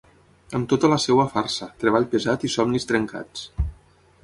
Amb tota la seva farsa, treball pesat i somnis trencats